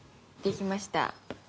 できました。